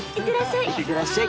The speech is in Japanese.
いってらっしゃい。